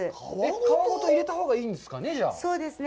皮ごと入れたほうがいいんですかね。